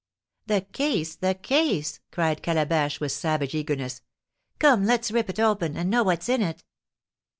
"The case, the case!" cried Calabash, with savage eagerness. "Come, let's rip it open, and know what's in it."